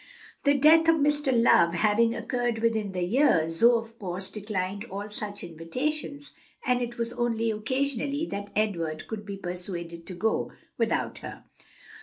The death of Mr. Love having occurred within the year, Zoe, of course, declined all such invitations; and it was only occasionally that Edward could be persuaded to go without her.